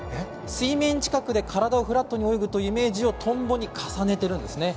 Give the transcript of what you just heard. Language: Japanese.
水面近くで体をフラットに泳ぐイメージを重ねているんです。